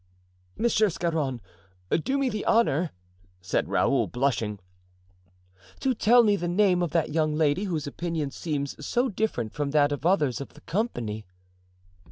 "Monsieur Scarron, do me the honor," said Raoul, blushing, "to tell me the name of that young lady whose opinion seems so different from that of others of the company."